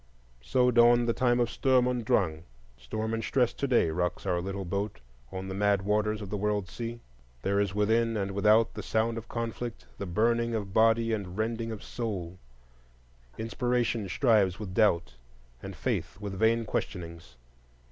So dawned the time of Sturm und Drang: storm and stress to day rocks our little boat on the mad waters of the world sea; there is within and without the sound of conflict, the burning of body and rending of soul; inspiration strives with doubt, and faith with vain questionings.